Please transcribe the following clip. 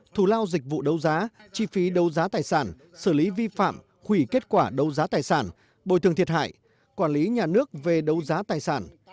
thù lao dịch vụ đấu giá chi phí đấu giá tài sản xử lý vi phạm khủy kết quả đấu giá tài sản bồi thường thiệt hại quản lý nhà nước về đấu giá tài sản